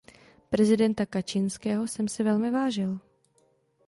Prezidenta Kaczyńského jsem si velmi vážil.